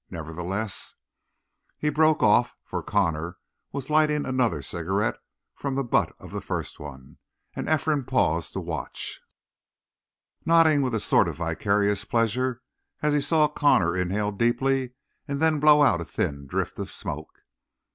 Nevertheless " He broke off, for Connor was lighting another cigarette from the butt of the first one, and Ephraim paused to watch, nodding with a sort of vicarious pleasure as he saw Connor inhale deeply and then blow out a thin drift of smoke.